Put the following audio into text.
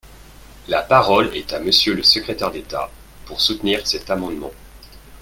La parole est à Monsieur le secrétaire d’État, pour soutenir cet amendement.